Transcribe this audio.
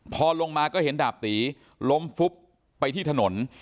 พอลงมาก็เห็นดาบตีล้มฟุบไปที่ถนน